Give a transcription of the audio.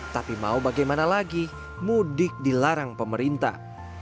tapi mau bagaimana lagi mudik dilarang pemerintah